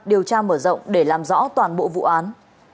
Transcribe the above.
điều tra mở rộng để làm rõ toàn bộ vụ án